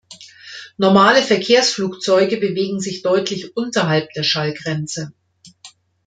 Normale Verkehrsflugzeuge bewegen sich deutlich unterhalb der Schallgrenze.